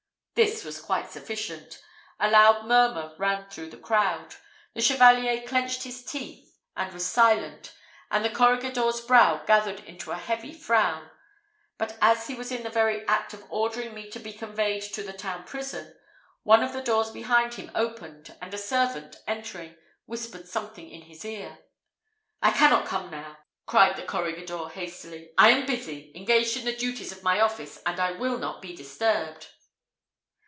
This was quite sufficient. A loud murmur ran through the crowd; the Chevalier clenched his teeth and was silent, and the corregidor's brow gathered into a heavy frown: but as he was in the very act of ordering me to be conveyed to the town prison, one of the doors behind him opened, and a servant entering, whispered something in his ear. "I cannot come now!" cried the corregidor, hastily; "I am busy engaged in the duties of my office and I will not be disturbed."